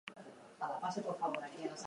Apaizen kokalekua absidean egokitu zen.